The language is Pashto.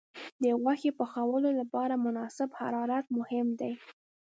د غوښې پخولو لپاره مناسب حرارت مهم دی.